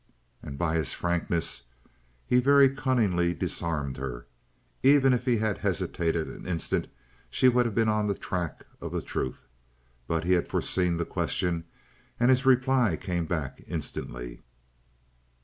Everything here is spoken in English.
And by his frankness he very cunningly disarmed her. Even if he had hesitated an instant she would have been on the track of the truth, but he had foreseen the question and his reply came back instantly.